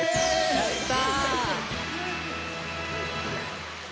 やった！